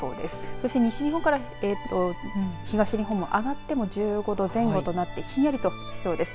そして西日本から東日本上がっても１５度前後となってひんやりとしそうです。